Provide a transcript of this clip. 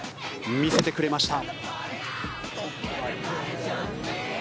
見せてくれました。